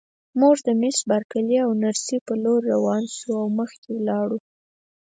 موږ د مس بارکلي او نرسې په لور ورروان شوو او مخکې ولاړو.